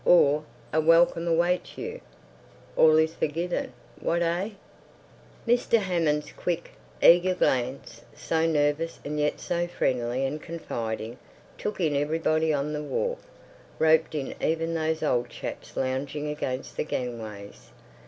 _ Or: A welcome awaits you. All is forgiven. What? Eh?" Mr. Hammond's quick, eager glance, so nervous and yet so friendly and confiding, took in everybody on the wharf, roped in even those old chaps lounging against the gangways.